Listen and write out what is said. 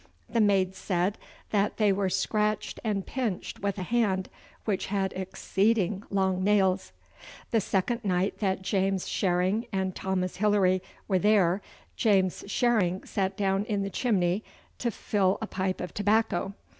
The maids said that they were scratched and pinched with a hand which had exceeding long nails. 'The second night that James Sherring and Thomas Hillary were there, James Sherring sat down in the chimney to fill a pipe of tobacco.